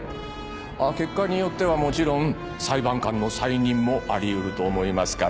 結果によってはもちろん裁判官の再任もあり得ると思いますから。